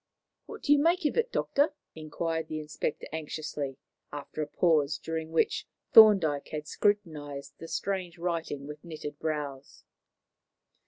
"What do you make of it, Doctor?" inquired the inspector anxiously, after a pause, during which Thorndyke had scrutinized the strange writing with knitted brows.